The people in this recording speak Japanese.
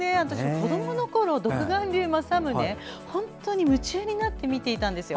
子どものころ「独眼竜政宗」夢中になって見ていたんですよ。